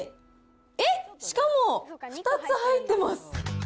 えっ、しかも２つ入ってます。